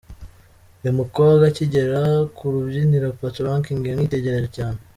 Uyu mukobwa akigera ku rubyiniro Patoranking yamwitegereje cyane.